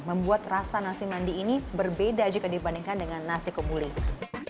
membuat rasa nasi mandi ini berbeda jika dibandingkan dengan nasi komuling